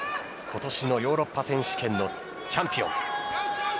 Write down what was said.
今年のヨーロッパ選手権のチャンピオン。